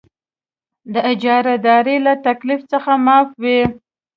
د اجاره دارۍ له تکلیف څخه معاف وي.